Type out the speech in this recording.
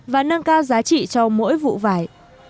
và nâng cao giá trị cho mỗi vụ vải